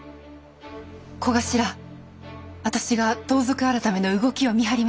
小頭私が盗賊改の動きを見張ります。